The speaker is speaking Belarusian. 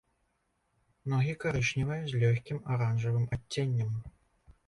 Ногі карычневыя з лёгкім аранжавым адценнем.